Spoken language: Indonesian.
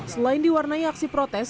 selain diwarnai aksi protes